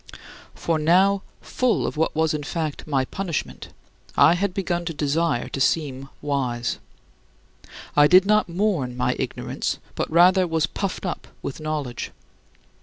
For now full of what was in fact my punishment, I had begun to desire to seem wise. I did not mourn my ignorance, but rather was puffed up with knowledge.